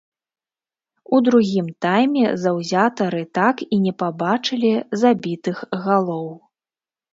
У другім тайме заўзятары так і не пабачылі забітых галоў.